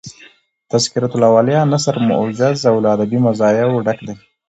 "تذکرةالاولیاء" نثر موجز او له ادبي مزایاو ډک دﺉ.